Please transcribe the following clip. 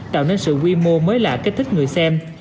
tạo nên sự quy mô mới lạ kích thích người xem